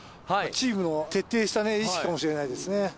チームの徹底した意識かもしれないですね。